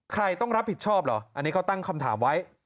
ใครต้องรับผิดชอบเหรออันนี้เขาตั้งคำถามไว้